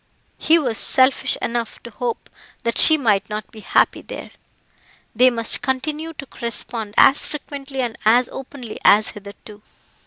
He was selfish enough to hope that she might not be happy there. They must continue to correspond as frequently and as openly as hitherto.